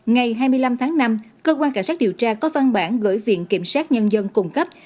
ngày hai mươi năm tháng năm cơ quan cảnh sát điều tra có văn bản gửi viện kiểm sát nhân dân cung cấp